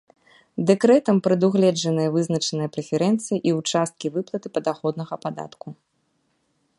Дэкрэтам прадугледжаныя вызначаныя прэферэнцыі і ў часткі выплаты падаходнага падатку.